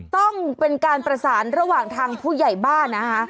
ต้องเป็นการประสานระหว่างทางผู้ใหญ่บ้านนะคะ